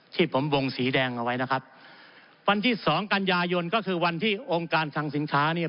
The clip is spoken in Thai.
ที่ผมวงสีแดงเอาไว้นะครับวันที่สองกันยายนก็คือวันที่องค์การคังสินค้าเนี่ย